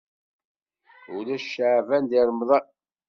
Ulac ceεban deg remḍan.